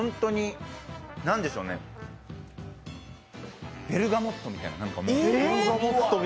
なんでしょう、ベルガモットみたいな。